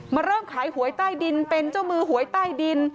เริ่มขายหวยใต้ดินเป็นเจ้ามือหวยใต้ดิน